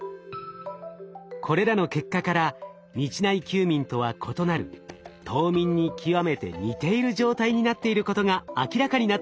これらの結果から日内休眠とは異なる冬眠に極めて似ている状態になっていることが明らかになったのです。